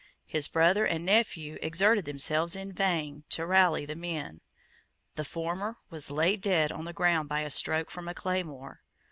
His brother and nephew exerted themselves in vain to rally the men. The former was laid dead on the ground by a stroke from a claymore.